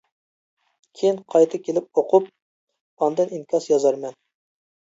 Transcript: كېيىن قايتا كېلىپ ئوقۇپ، ئاندىن ئىنكاس يازارمەن.